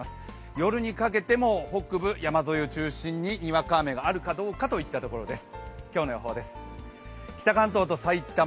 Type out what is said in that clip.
夜にかけても北部、山沿いを中心に雨があるかといったところです。